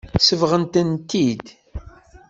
Sebɣent-tent-id.